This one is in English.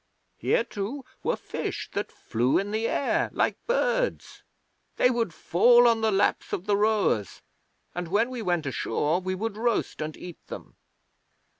Here, too, were fish that flew in the air like birds. They would fall on the laps of the rowers, and when we went ashore we would roast and eat them.'